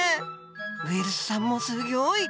ウイルスさんもすギョい！